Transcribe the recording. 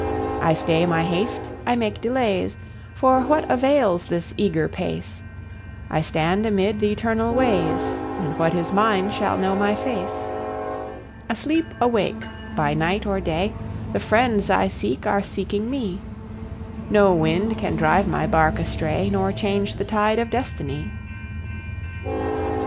I stay my haste, I make delays, For what avails this eager pace? I stand amid the eternal ways, And what is mine shall know my face. Asleep, awake, by night or day The friends I seek are seeking me; No wind can drive my bark astray, Nor change the tide of destiny.